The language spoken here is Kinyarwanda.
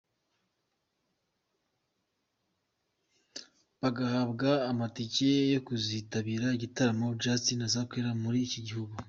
bagahabwa amatike yo kuzitabira igitaramo Justin azakorera muri iki gihugu.